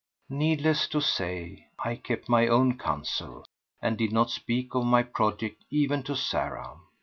Needless to say, I kept my own counsel, and did not speak of my project even to Sarah.